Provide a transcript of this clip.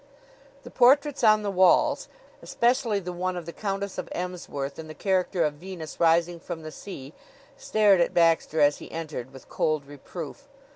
The portraits on the walls, especially the one of the Countess of Emsworth in the character of Venus rising from the sea, stared at Baxter as he entered, with cold reproof.